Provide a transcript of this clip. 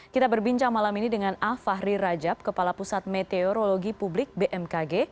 kita berbincang malam ini dengan afahri rajab kepala pusat meteorologi publik bmkg